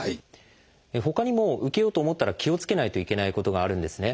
ほかにも受けようと思ったら気をつけないといけないことがあるんですね。